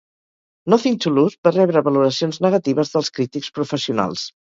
"Nothing to Lose" va rebre valoracions negatives dels crítics professionals.